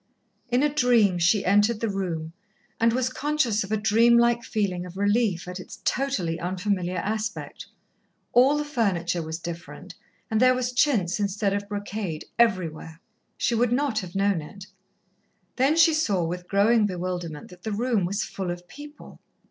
In a dream she entered the room, and was conscious of a dream like feeling of relief at its totally unfamiliar aspect. All the furniture was different, and there was chintz instead of brocade, everywhere. She would not have known it. Then she saw, with growing bewilderment, that the room was full of people.